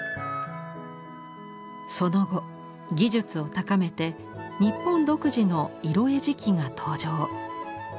その後技術を高めて日本独自の色絵磁器が登場。